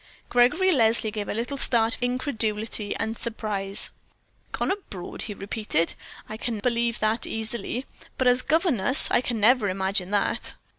Gregory Leslie gave a little start of incredulity and surprise. "Gone abroad," he repeated; "I can believe that easily; but as governess, I can never imagine that."